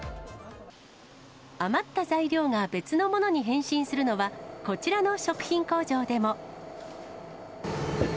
余った材料が別の物に変身するのは、こちらの食品工場でも。